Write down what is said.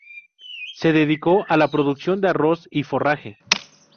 Se dedicó a la producción de arroz y forraje.